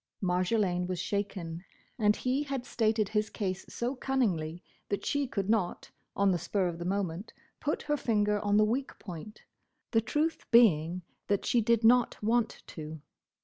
Marjolaine was shaken, and he had stated his case so cunningly that she could not, on the spur of the moment, put her finger on the weak point—the truth being, that she did not want to.